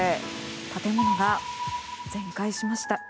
建物が全壊しました。